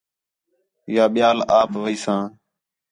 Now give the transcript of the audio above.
یا ٻِیال آپ ویساں